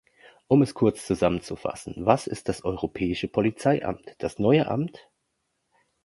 Um es kurz zusammenzufassen, was ist das Europäische Polizeiamt, das neue Amt?